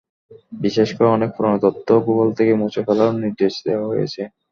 বিশেষ করে অনেক পুরোনো তথ্য গুগল থেকে মুছে ফেলারও নির্দেশ দেওয়া হয়েছে।